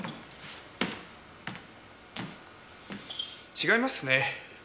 違いますね。